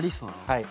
はい。